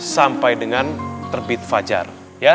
sampai dengan terbit fajar